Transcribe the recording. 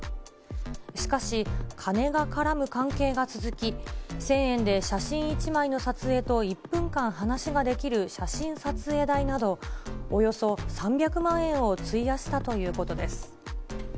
しかし、金が絡む関係が続き、１０００円で写真１枚の撮影と１分間話ができる写真撮影代など、およそ３００万円を費やしたということです。